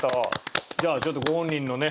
じゃあちょっとご本人のね。